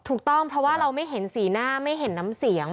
ถูกต้องเพราะว่าเราไม่เห็นสีหน้าไม่เห็นน้ำเสียง